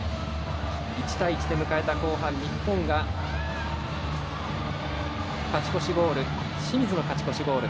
１対１で迎えた後半日本が清水の勝ち越しゴール。